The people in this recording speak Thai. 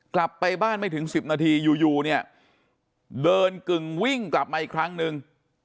กลับไปบ้านไม่ถึง๑๐นาทีอยู่เนี่ยเดินกึ่งวิ่งกลับมาอีกครั้งนึง